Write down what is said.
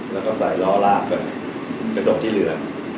แล้วก็ใส่ล้อราบเปิดไปส่งที่เหลือ